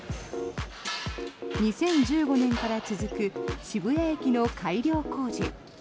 ２０１５年から続く渋谷駅の改良工事。